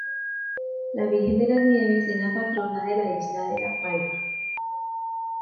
La Virgen de las Nieves es la patrona de la isla de La Palma.